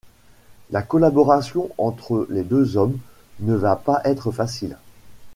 La collaboration entre les deux hommes ne va pas être facile.